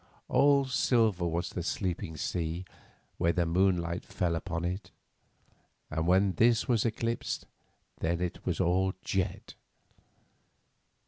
All silver was the sleeping sea where the moonlight fell upon it, and when this was eclipsed, then it was all jet.